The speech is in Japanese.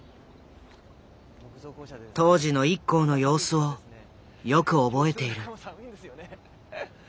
当時のＩＫＫＯの様子をよく覚えている。